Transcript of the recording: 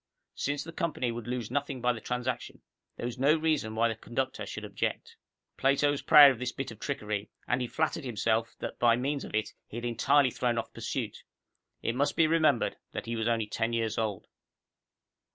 Since the company would lose nothing by the transaction, there was no reason why the conductor should object. Plato was proud of this bit of trickery, and he flattered himself that by means of it he had entirely thrown off pursuit. It must be remembered that he was only ten years old.